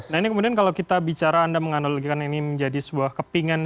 nah ini kemudian kalau kita bicara anda menganalogikan ini menjadi sebuah kepingan